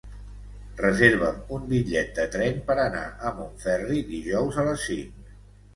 Reserva'm un bitllet de tren per anar a Montferri dijous a les cinc.